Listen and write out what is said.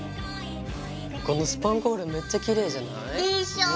このスパンコールめっちゃきれいじゃない？でしょ！